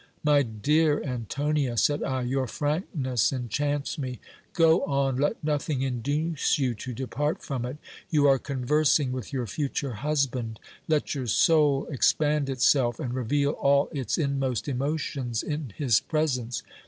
My dear Antonia, said I, your frankness enchants me ; go on, let nothing induce you to depart from it ; you are conversing with your future husband ; let your soul expand itself, and reveal all its inmost emotions in his presence.